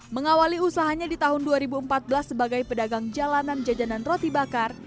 mengawali usahanya di tahun dua ribu empat belas sebagai pedagang jalanan jajanan roti bakar